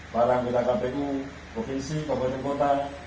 para anggota kpu provinsi kabupaten kota